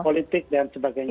politik dan sebagainya